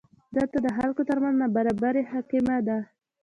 دلته د خلکو ترمنځ نابرابري حاکمه ده.